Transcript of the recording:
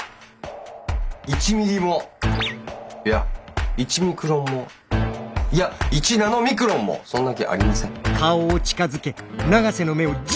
１ミリもいや１ミクロンもいや１ナノミクロンもそんな気ありません。